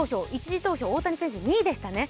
１次投票、大谷選手、２位でした。